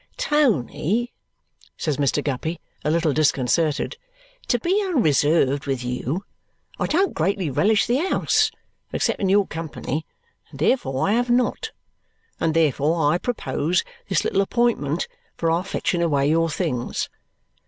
"Tony," says Mr. Guppy, a little disconcerted, "to be unreserved with you, I don't greatly relish the house, except in your company, and therefore I have not; and therefore I proposed this little appointment for our fetching away your things.